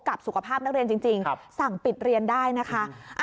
กับสุขภาพนักเรียนจริงสั่งปิดเรียนได้นะคะ